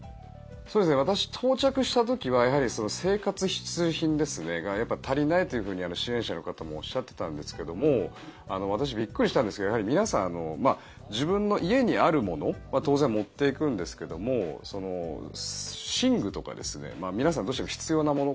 私、到着した時はやはり生活必需品が足りないというふうに支援者の方もおっしゃってたんですけども私、びっくりしたんですけど皆さん自分の家にあるものは当然持っていくんですけども寝具とか皆さんどうしても必要なもの